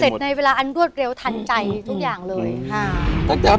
เสร็จในเวลาอันรวดเร็วทันใจทุกอย่างเลยอืมอืมอืมอืมอืมอืม